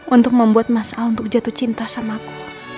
untuk membuat mas a untuk jatuh cinta sama aku